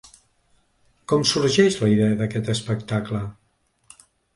Com sorgeix la idea d’aquest espectacle?